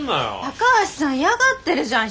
高橋さん嫌がってるじゃん。